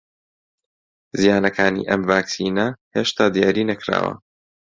زیانەکانی ئەم ڤاکسینە هێشتا دیاری نەکراوە